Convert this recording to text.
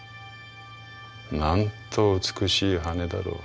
なんと美しい羽だろう」。